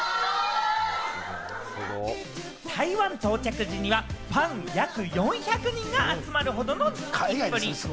台湾到着時にはファン約４００人が集まるほどの人気っぷり。